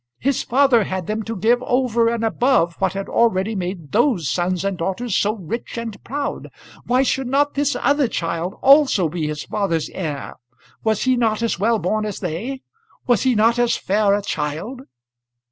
His father had them to give over and above what had already made those sons and daughters so rich and proud. Why should not this other child also be his father's heir? Was he not as well born as they? was he not as fair a child?